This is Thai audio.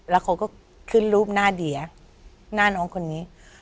แล้วเขาก็ขึ้นรูปหน้าเดียหน้าน้องคนนี้